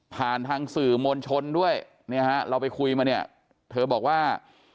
ผ่านทางสื่อมณชนด้วยเราไปคุยมาเนี่ยเธอบอกว่า